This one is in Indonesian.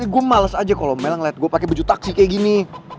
gue males aja kalau mel ngeliat gue pakai baju taksi kayak gini